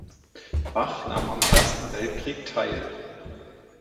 Bach nahm am Ersten Weltkrieg teil.